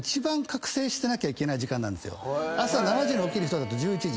朝７時に起きる人だと１１時。